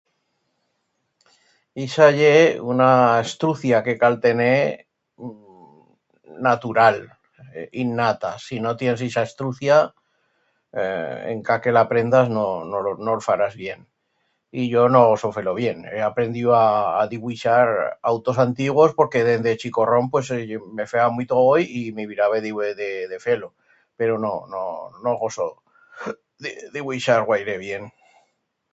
Ixa ye una estrucia que cal tener n... natural, innata. Si no tiens ixa estrucia ee encara que la aprendas no no lo no'l farás bien. Y yo no goso fer-lo bien. He aprendiu a a dibuixar autos antiguos porque dende chicorrón pues me feba muito goi y m'he mirau de dibui... de fer-lo. Pero no no no goso di... dibuixar guaire bien.